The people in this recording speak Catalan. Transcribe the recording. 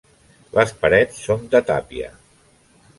Les parets són de tàpia.